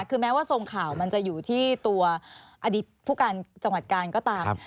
คือแม้ว่าทรงข่าวมันจะอยู่ที่ตัวอดีตผู้การจังหวัดกาลก็ตาม